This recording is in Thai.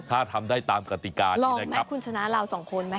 ถ้าทำได้ตามกติกาเนี่ยนะครับลองมั้ยคุณชนะเราสองคนมั้ย